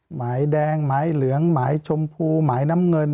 หมายแดงหมายเหลืองหมายชมพูหมายน้ำเงิน